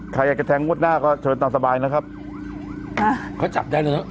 ใครอยากจะแทงงวดหน้าก็เชิญตามสบายนะครับอ่าเขาจับได้เลยเนอ